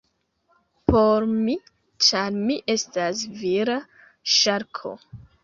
Por mi, ĉar mi estas vira ŝarko.